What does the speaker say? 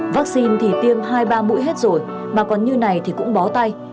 vaccine thì tiêm hai ba mũi hết rồi mà còn như này thì cũng bó tay